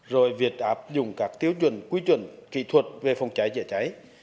rồi việc áp dụng các tiêu chuẩn quy chuẩn kỹ thuật về phòng cháy chữa cháy